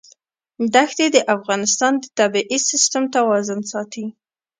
دښتې د افغانستان د طبعي سیسټم توازن ساتي.